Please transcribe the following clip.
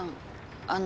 あの。